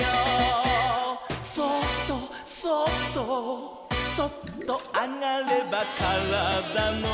「そっとそっとそっとあがればからだの」